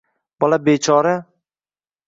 Bola bechora